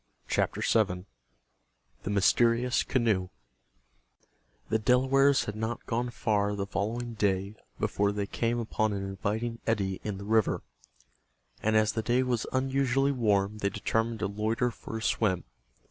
CHAPTER VII—THE MYSTERIOUS CANOE The Delawares had not gone far the following day before they came upon an inviting eddy in the river, and as the day was unusually warm they determined to loiter for a swim.